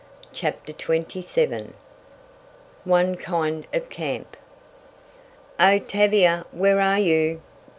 CHAPTER XXVII ONE KIND OF CAMP "Oh, Tavia! Where are you?"